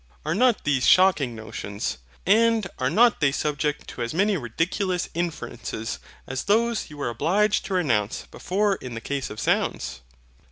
Are not these shocking notions, and are not they subject to as many ridiculous inferences, as those you were obliged to renounce before in the case of sounds?